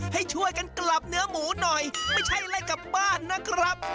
ให้ช่วยกันกลับเนื้อหมูหน่อยไม่ใช่ไล่กลับบ้านนะครับ